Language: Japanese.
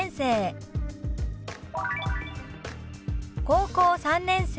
「高校３年生」。